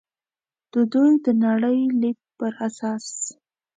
د دوی د نړۍ لید پر اساس.